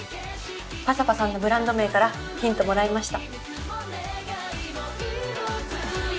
「ｐａｚａｐａ」さんのブランド名からヒントもらいました。